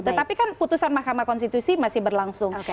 tetapi kan putusan mahkamah konstitusi masih berlangsung